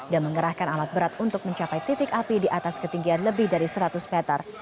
dan mengerahkan alat berat untuk mencapai titik api di atas ketinggian lebih dari seratus meter